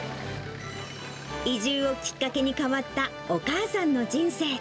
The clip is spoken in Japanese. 移住をきっかけに変わったお母さんの人生。